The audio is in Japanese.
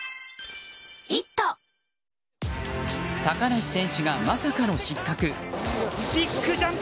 高梨選手がまさかの失格。